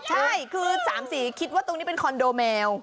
ใช่คือ๓สีคิดว่าตรงนี้เป็นคอนโดแมว